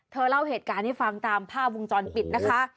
เล่าเหตุการณ์ให้ฟังตามภาพวงจรปิดนะคะ